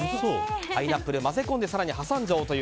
パイナップルを混ぜ込んで更に挟んじゃおうという。